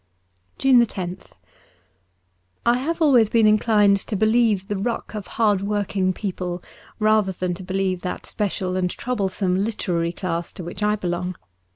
173 JUNE loth I HAVE always been inclined to believe the ruck of hard working people rather than to believe that special and troublesome literary class to which I belong.